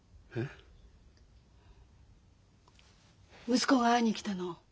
息子が会いに来たの。